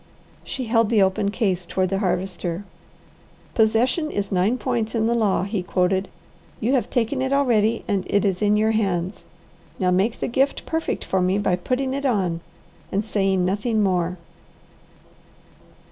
She held the open case toward the Harvester. "'Possession is nine points in the law,'" he quoted. "You have taken it already and it is in your hands; now make the gift perfect for me by putting it on and saying nothing more."